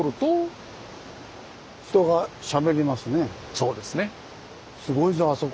そうですね。